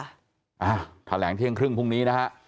อ่าแถลงเที่ยงครึ่งพรุ่งนี้นะฮะ